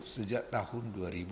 sejak tahun dua ribu dua puluh satu